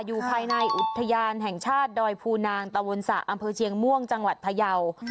อยู่ภายในอุทยานแห่งชาติดอยภูนางตะวนสะอำเภอเชียงม่วงจังหวัดพยาว